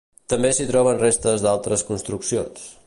També s'hi troben restes d'altres construccions.